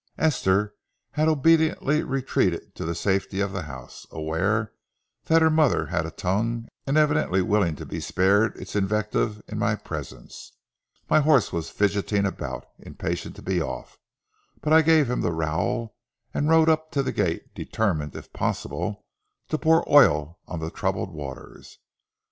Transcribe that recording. Esther had obediently retreated to the safety of the house, aware that her mother had a tongue and evidently willing to be spared its invective in my presence. My horse was fidgeting about, impatient to be off, but I gave him the rowel and rode up to the gate, determined, if possible, to pour oil on the troubled waters.